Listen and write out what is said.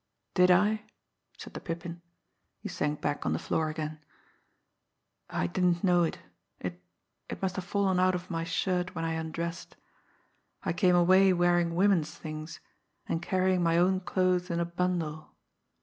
"Did I?" said the Pippin. He sank back on the floor again. "I didn't know it. It it must have fallen out of my shirt when I undressed. I came away wearing women's things, and carrying my own clothes in a bundle."